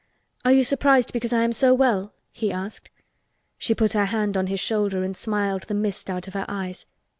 "Are you surprised because I am so well?" he asked. She put her hand on his shoulder and smiled the mist out of her eyes.